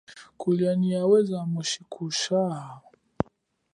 Kulia nyi chasweza, muchikushaha.